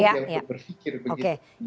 untuk berpikir begitu